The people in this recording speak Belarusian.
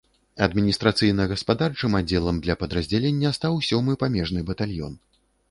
Адміністрацыйна-гаспадарчым аддзелам для падраздзялення стаў сёмы памежны батальён.